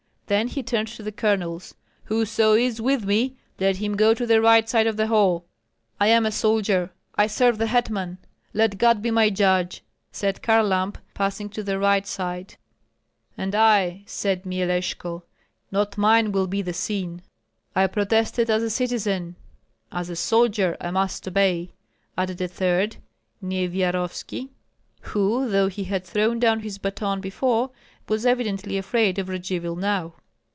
Then he turned to the colonels: "Whoso is with me, let him go to the right side of the hall!" "I am a soldier, I serve the hetman; let God be my judge!" said Kharlamp, passing to the right side. "And I!" added Myeleshko. "Not mine will be the sin!" "I protested as a citizen; as a soldier I must obey," added a third, Nyevyarovski, who, though he had thrown down his baton before, was evidently afraid of Radzivill now.